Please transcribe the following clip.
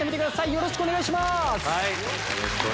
よろしくお願いします。